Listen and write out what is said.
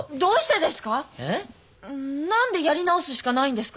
何でやり直すしかないんですか？